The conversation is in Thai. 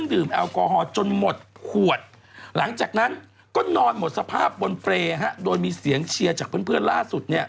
เพราะฉะนั้นก็นอนหมดสภาพบนเฟรย์โดยมีเสียงเชียร์จากเพื่อนล่าสุด